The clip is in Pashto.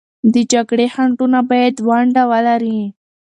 د جګړې خنډونه باید ونډه ولري.